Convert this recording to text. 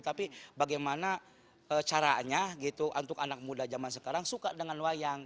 tapi bagaimana caranya gitu untuk anak muda zaman sekarang suka dengan wayang